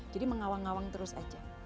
jadi mengawang awang terus saja